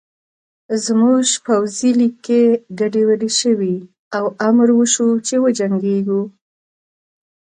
زموږ پوځي لیکې ګډې وډې شوې او امر وشو چې وجنګېږو